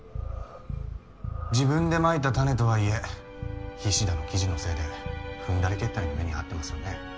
自分でまいた種とはいえ菱田の記事のせいで踏んだり蹴ったりな目にあってきてますよね。